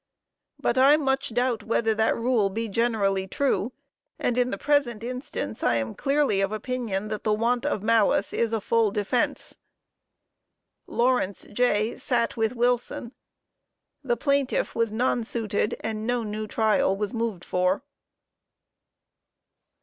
But I much doubt whether that rule be generally true_; and in the present instance I am clearly of opinion that the want of malice is a full defense." Lawrence, J., sat with Wilson. The plaintiff was nonsuited and no new trial was moved for.